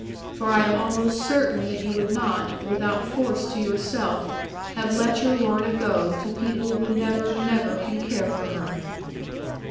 For I am almost certain that you would not, without force to yourself, have let your Lorna go to people who never, never can care for her.'